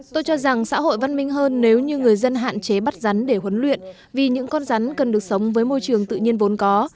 tôi cho rằng xã hội văn minh hơn nếu như người dân hạn chế bắt rắn để huấn luyện vì những con rắn cần được sống với môi trường tự nhiên vốn có